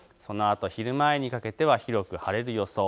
昼前にかけては広く晴れる予想。